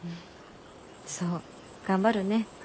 そう頑張るね。